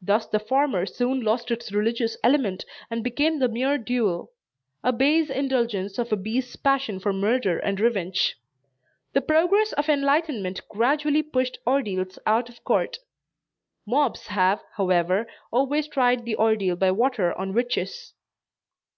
Thus the former soon lost its religious element and became the mere duel; a base indulgence of a beast's passion for murder and revenge. The progress of enlightenment gradually pushed ordeals out of court. Mobs have however always tried the ordeal by water on witches.